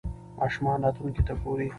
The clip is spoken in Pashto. ماشومان راتلونکې ته ګوري.